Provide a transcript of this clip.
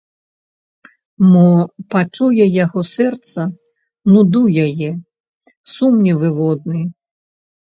Мо пачуе яго сэрца нуду яе, сум невыводны?